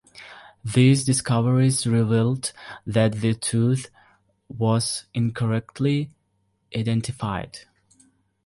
These discoveries revealed that the tooth was incorrectly identified.